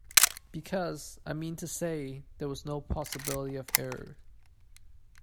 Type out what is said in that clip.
Because, I mean to say, there was no possibility of error.